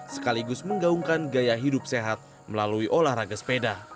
sekaligus menggaungkan gaya hidup sehat melalui olahraga sepeda